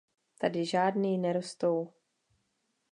Tady žádný nerostou.